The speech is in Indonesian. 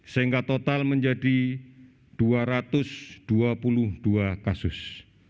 sehingga total menjadi dua ratus dua puluh dua kasus